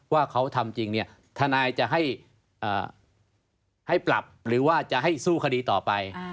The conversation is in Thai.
ว่าเขาทำจริงเนี่ยทนายจะให้ปรับหรือว่าจะให้สู้คดีต่อไป